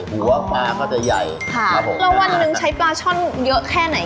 หัวปลาก็จะใหญ่ค่ะครับผมแล้ววันหนึ่งใช้ปลาช่อนเยอะแค่ไหน